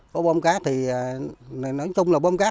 có bơm cắt thì nói chung là bơm cắt